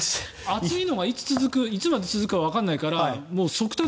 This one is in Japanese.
暑いのがいつまで続くかわからないから